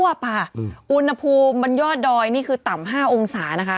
อุณหภูมิบนยอดดอยนี่คือต่ำ๕องศานะคะ